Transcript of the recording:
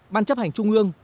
ban chấp hành trung ương